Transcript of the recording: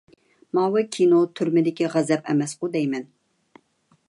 ماۋۇ كىنو «تۈرمىدىكى غەزەپ» ئەمەسقۇ دەيمەن.